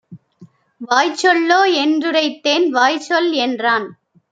வாய்ச்சொல்லோ என்றுரைத்தேன். வாய்ச்சொல்என்றான்.